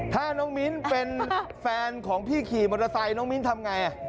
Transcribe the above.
ถ้าน้องมิ้นเป็นแฟนของพี่ขี่มอเตอร์ไซค์น้องมิ้นทำไง